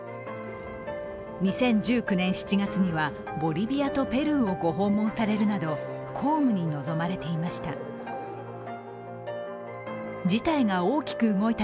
２０１９年７月にはボリビアとペルーをご訪問されるなど公務に臨まれていました。